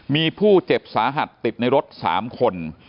มีผู้เจ็บสาหัสติดในรถ๓คน